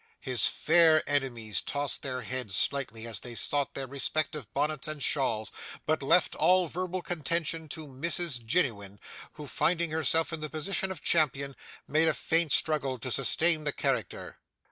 His fair enemies tossed their heads slightly as they sought their respective bonnets and shawls, but left all verbal contention to Mrs Jiniwin, who finding herself in the position of champion, made a faint struggle to sustain the character.